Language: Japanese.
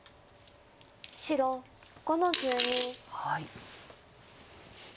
白５の十二。